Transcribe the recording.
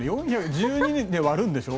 １２年で割るんでしょ